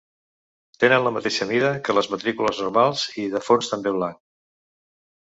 Tenen la mateixa mida que les matrícules normals i de fons també blanc.